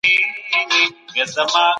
د موضوع له انتخابولو مخکي ښه فکر وکړئ.